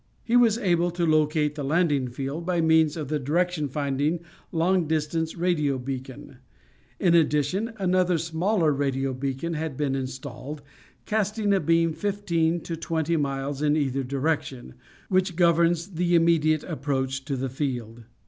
He was able to locate the landing field by means of the direction finding long distance radio beacon. In addition, another smaller radio beacon had been installed, casting a beam fifteen to twenty miles in either direction, which governs the immediate approach to the field.